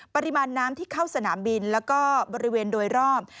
ปริมาณน้ำที่เข้าสนามบินแล้วก็บริเวณโดยรอบ